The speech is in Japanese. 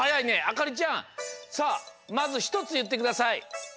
あかりちゃんさあまずひとついってください。